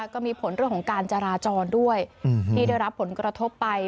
ก็มีผลเรื่องของการจราจรด้วยที่ได้รับผลกระทบไป